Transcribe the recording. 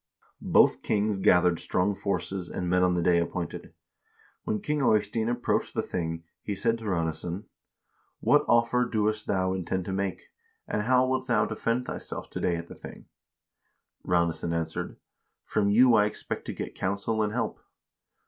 Both kings gathered strong forces and met on the day appointed. " When King Eystein approached the thing, he said to Ranesson : 'What offer doest thou intend to make, and how wilt thou defend thyself to day at the thing f ' Ranesson answered :' From you I expect to get counsel and help.'